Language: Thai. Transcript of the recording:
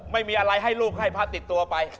ไม่มีอะไรให้ลูกให้พระติดตัวไป